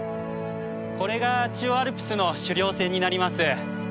これが中央アルプスの主稜線になります。